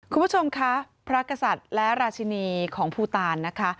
คุณผู้ชมคะพระกษัตริย์และราชินีของภูตานนะคะ